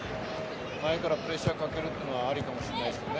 前からプレッシャーかけるというのはありかもしれないですね。